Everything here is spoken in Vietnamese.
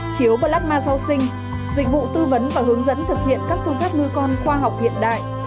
chiếu platma sau sinh dịch vụ tư vấn và hướng dẫn thực hiện các phương pháp nuôi con khoa học hiện đại